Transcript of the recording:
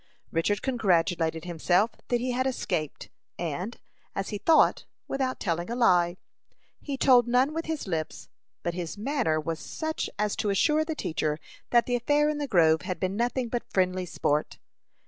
Richard congratulated himself that he had escaped, and, as he thought, without telling a lie. He told none with his lips, but his manner was such as to assure the teacher that the affair in the grove had been nothing but friendly sport.